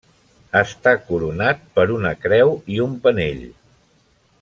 Està coronat per una creu i un penell.